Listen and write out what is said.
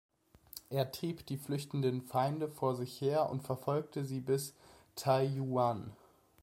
Er trieb die flüchtenden Feinde vor sich her und verfolgte sie bis Taiyuan.